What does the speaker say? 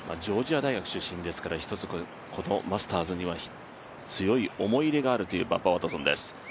ジョージア大学出身ですから、このマスターズには強い思い入れがあるというバッバ・ワトソンです。